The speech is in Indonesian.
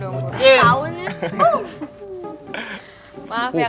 bucin dong tau nih